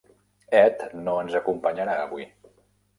Ed no ens acompanyarà avui.